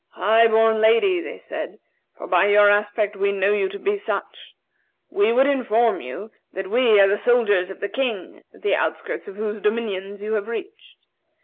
"High born Lady," they said, "for by your aspect we know you to be such, we would inform you that we are the soldiers of the King, the outskirts of whose dominions you have reached.